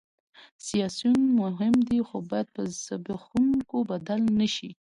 سیاسیون مهم دي خو باید په زبېښونکو بدل نه شي